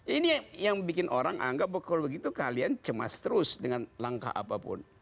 ini yang bikin orang anggap kalau begitu kalian cemas terus dengan langkah apapun